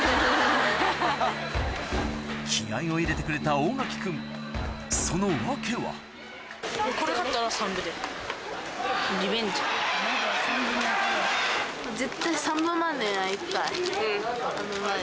気合を入れてくれた大柿君その訳は山武まで。